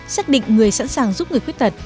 xác định người sẵn sàng giúp người khuyết tật